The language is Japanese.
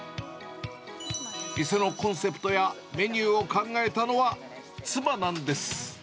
店のコンセプトやメニューを考えたのは妻なんです。